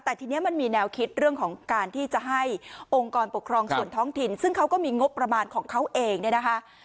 แต่ทีนี้มันมีแนวคิดเรื่องของการที่จะให้องค์กรปกครองส่วนท้องถิ่นซึ่งเขาก็มีงบประมาณของเขาเองเนี่ยนะคะ